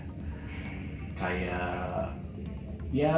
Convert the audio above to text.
ya engkar pemula lah ya